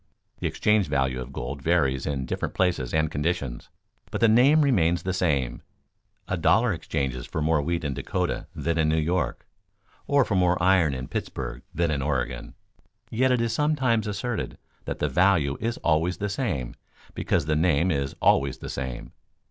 The exchange value of gold varies in different places and conditions, but the name remains the same. A dollar exchanges for more wheat in Dakota than in New York or for more iron in Pittsburg than in Oregon, yet it is sometimes asserted that the value is always the same because the name is always the same.